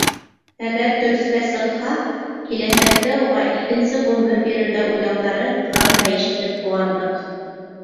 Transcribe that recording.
Әгәр дөрөҫкә сыҡһа, киләсәктә уға икенсе ғүмер бирергә уйлауҙары тураһында ишетеп ҡыуандыҡ.